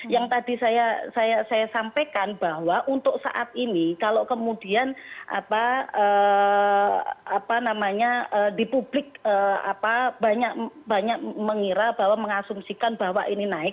yang tadi saya sampaikan bahwa untuk saat ini kalau kemudian di publik banyak mengira bahwa mengasumsikan bahwa ini naik